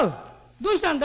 どうしたんだ？